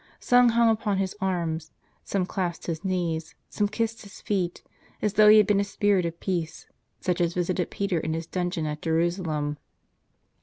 Some hung upon his arms ; some clasped his knees ; some kissed his feet, as though he had been a spirit of peace, such as visited Peter in his dungeon at Jerusalem.